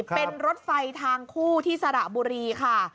เป็นรถไฟทางคู่ที่สระบุรีค่ะ